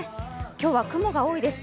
今日は雲が多いです。